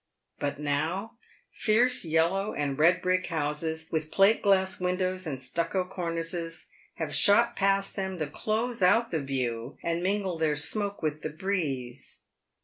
But now fierce yellow and red brick houses, with plate glass windows and stucco cornices, have shot past them to close out the view and mingle their smoke with the breeze.